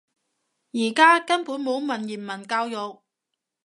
而家根本冇文言文教育